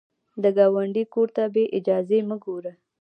د ګاونډي کور ته بې اجازې مه ګوره